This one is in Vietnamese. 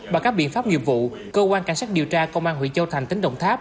bằng các biện pháp nghiệp vụ cơ quan cảnh sát điều tra công an huyện châu thành tỉnh đồng tháp